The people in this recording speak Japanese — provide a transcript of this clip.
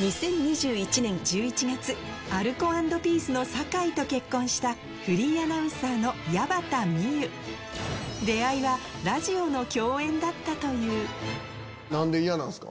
２０２１年１１月アルコ＆ピースの酒井と結婚したフリーアナウンサーの矢端名結出会いは何で嫌なんですか？